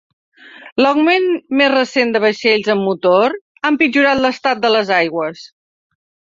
L'augment més recent de vaixells amb motor ha empitjorat l'estat de les aigües.